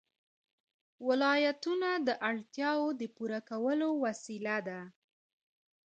ولایتونه د اړتیاوو د پوره کولو وسیله ده.